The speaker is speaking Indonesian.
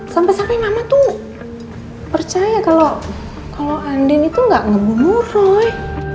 sampai sampai mama tuh percaya kalau andin itu gak ngeburu